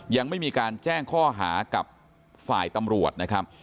ยังไม่มีการแจ้งข้อหากับฝ่ายตำรวจนะครับ